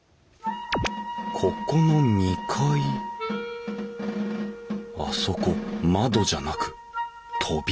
ここの２階あそこ窓じゃなく扉だ。